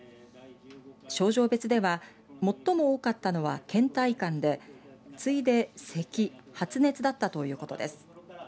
症状別では最も多かったのは、けん怠感で次いでせき、発熱だったということです。